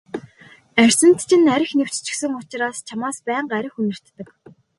Арьсанд чинь архи нэвччихсэн учир чамаас байнга архи үнэртдэг.